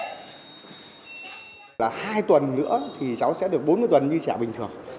hai tuần nữa thì cháu sẽ được bốn mươi tuần như chả bình thường